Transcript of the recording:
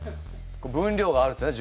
分量があるんですね